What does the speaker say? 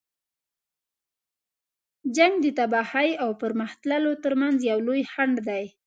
جنګ د تباهۍ او پرمخ تللو تر منځ یو لوی خنډ دی.